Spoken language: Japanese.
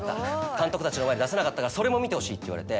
監督たちの前で出せなかったからそれも見てほしい」って言われて。